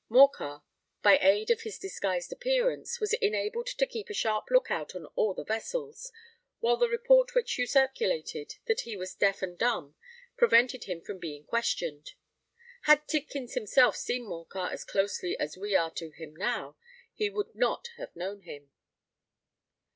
Morcar, by aid of his disguised appearance, was enabled to keep a sharp look out on all the vessels; while the report which you circulated that he was deaf and dumb prevented him from being questioned. Had Tidkins himself seen Morcar as closely as we are to him now, he would not have known him."